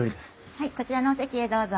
はいこちらのお席へどうぞ。